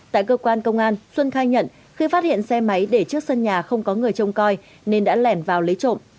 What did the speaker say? tại cơ quan công an xuân khai nhận khi phát hiện xe máy để trước sân nhà không có người trông coi nên đã lẻn vào lấy trộm